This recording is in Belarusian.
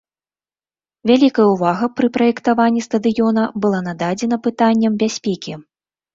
Вялікая ўвага пры праектаванні стадыёна было нададзена пытанням бяспекі.